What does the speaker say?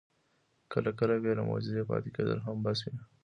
کله کله بې له معجزې پاتې کېدل هم بس وي.